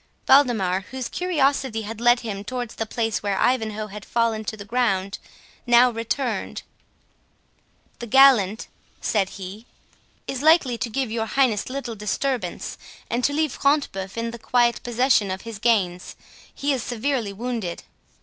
Waldemar, whose curiosity had led him towards the place where Ivanhoe had fallen to the ground, now returned. "The gallant," said he, "is likely to give your Highness little disturbance, and to leave Front de Bœuf in the quiet possession of his gains—he is severely wounded."